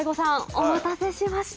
お待たせしました！